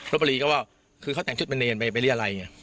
บุรีก็ว่าคือเขาแต่งชุดเป็นเนรไปเรียรัย